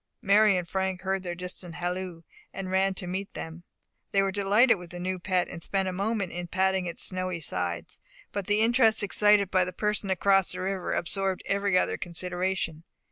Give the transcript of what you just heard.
Mary and Frank heard their distant halloo, and ran to meet them. They were delighted with the new pet, and spent a moment in patting its snowy sides; but the interest excited by the person across the river absorbed every other consideration.